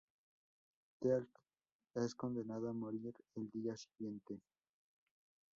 Teal'c es condenado a morir el día siguiente.